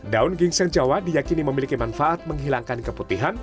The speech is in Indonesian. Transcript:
daun gingseng jawa diakini memiliki manfaat menghilangkan keputihan